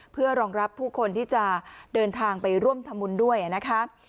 เพื่อรองรับผู้คนที่จะเดินทางไปร่วมทำบุญด้วยนะคะ